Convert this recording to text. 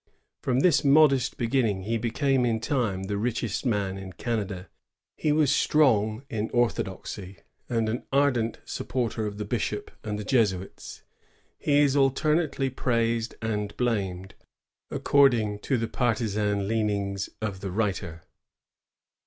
'^ From this modest beginning he became in time the richest man in Canada.^ He was strong in orthodoxy, and an ardent supporter of the bishop and the Jesuits. He is alternately praised and blamed, according to the partisan leanings of the writer.